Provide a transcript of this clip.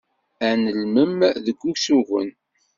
Ad nelmem deg usugen.